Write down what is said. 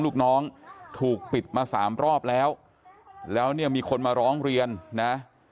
ลูกน้องถูกปิดมาสามรอบแล้วแล้วเนี่ยมีคนมาร้องเรียนนะ